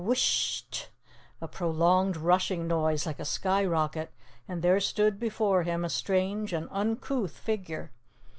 Whish sh sht! A prolonged rushing noise like a sky rocket, and there stood before him a strange and uncouth figure.